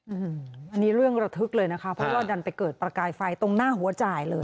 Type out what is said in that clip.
อันนี้เรื่องระทึกเลยนะคะเพราะว่าดันไปเกิดประกายไฟตรงหน้าหัวจ่ายเลย